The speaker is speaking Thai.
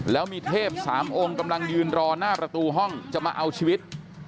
แล้วมีเทพสามองค์กำลังยืนรอหน้าประตูห้องจะมาเอาชีวิต